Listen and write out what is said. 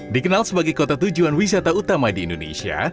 dikenal sebagai kota tujuan wisata utama di indonesia